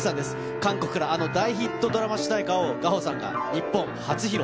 韓国からあの大ヒットドラマ主題歌をＧａｈｏさんが日本初披露。